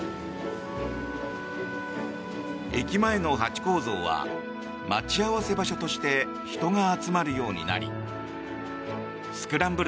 駅前のハチ公像は待ち合わせ場所として人が集まるようになりスクランブル